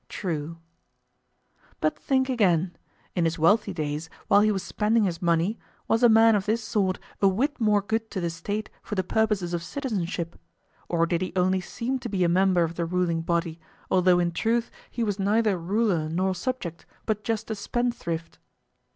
True. But think again: In his wealthy days, while he was spending his money, was a man of this sort a whit more good to the State for the purposes of citizenship? Or did he only seem to be a member of the ruling body, although in truth he was neither ruler nor subject, but just a spendthrift?